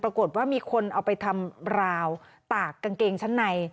ปรากฏว่ามีคนเอาไปทำราวตากกางเกงชั้นใน